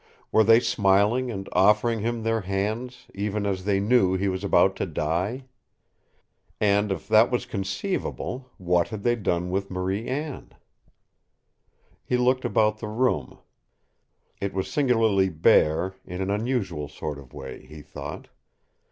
Were they smiling and offering him their hands, even as they knew he was about to die? And if that was conceivable, what had they done with Marie Anne? He looked about the room. It was singularly bare, in an unusual sort of way, he thought.